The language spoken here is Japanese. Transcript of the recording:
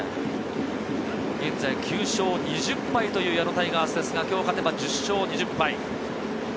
現在９勝２０敗という矢野タイガースですが、今日勝てば１０勝２０敗。